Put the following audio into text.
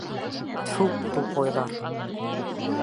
— Тфү, тупойҙар...